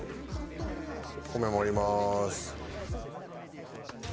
米盛ります。